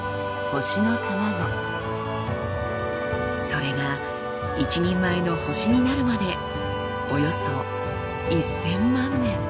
それが一人前の星になるまでおよそ１，０００万年。